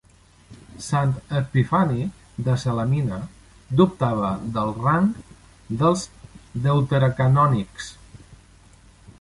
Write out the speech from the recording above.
Sant Epifani de Salamina dubtava del rang dels deuterocanònics.